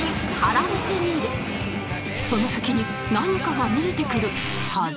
その先に何かが見えてくるはず